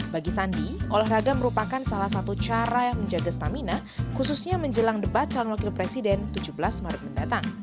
bagi sandi olahraga merupakan salah satu cara yang menjaga stamina khususnya menjelang debat calon wakil presiden tujuh belas maret mendatang